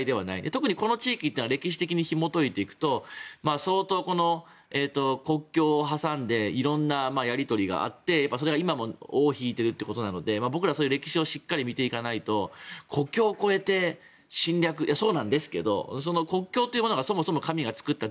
特にこの地域ってのは歴史的にひもといていくと相当、国境を挟んで色んなやり取りがあってそれは今も尾を引いているということなので僕ら、そういう歴史をしっかり見ていかないと国境を越えて侵略いや、そうなんですけど国境というものがそもそも神が作った